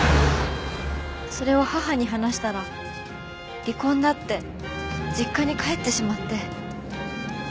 それを母に話したら離婚だって実家に帰ってしまって。